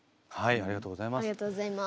ありがとうございます。